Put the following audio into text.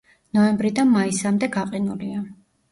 ნოემბრიდან მაისამდე გაყინულია.